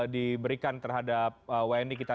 diberikan terhadap wni kita